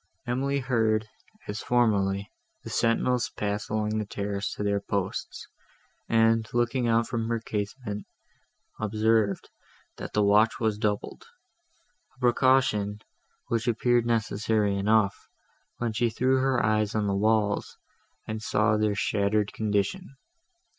Emily heard, as formerly, the sentinels pass along the terrace to their posts, and, looking out from her casement, observed, that the watch was doubled; a precaution, which appeared necessary enough, when she threw her eyes on the walls, and saw their shattered condition.